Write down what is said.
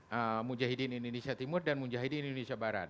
dan mujahidin indonesia timur dan mujahidin indonesia barat